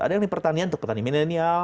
ada yang di pertanian pertanian milenial